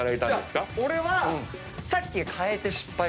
俺は。